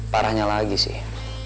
parahnya lagi sih